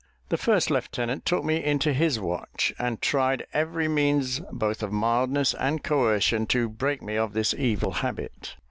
The first lieutenant took me into his watch, and tried every means, both of mildness and coercion, to break me of this evil habit.